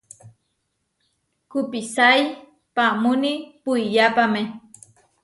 Kupisái paamúni puiyápame.